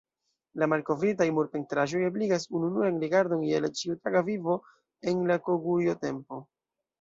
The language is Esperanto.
La malkovritaj murpentraĵoj ebligas ununuran rigardon je la ĉiutaga vivo en la Kogurjo-tempo.